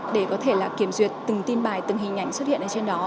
để có thể là kiểm duyệt từng tin bài từng hình ảnh xuất hiện ở trên đó